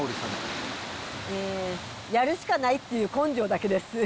やるしかないっていう根性だけです。